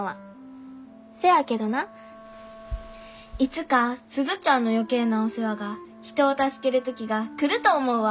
せやけどないつか鈴ちゃんの余計なお世話が人を助ける時が来ると思うわ。